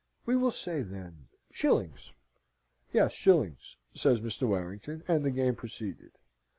"We will say, then, shillings." "Yes, shillings," says Mr. Warrington, and the game proceeded.